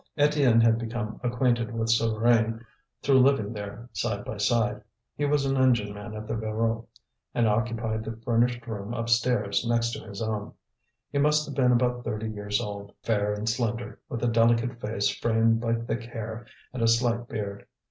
Étienne had become acquainted with Souvarine through living there side by side. He was an engine man at the Voreux, and occupied the furnished room upstairs next to his own. He must have been about thirty years old, fair and slender, with a delicate face framed by thick hair and a slight beard.